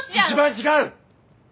一番違う！